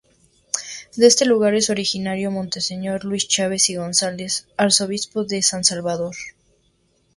De este lugar es originario monseñor Luis Chávez y González, arzobispo de San Salvador.